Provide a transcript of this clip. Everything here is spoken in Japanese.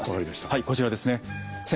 はいこちらですね。